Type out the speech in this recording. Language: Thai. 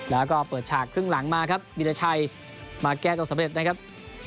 แล้วก็เปิดฉากครึ่งหลังมาครับวิราชัยมาแก้ตัวสำเร็จนะครับ